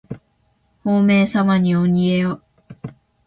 ほうめいさまおにげよ。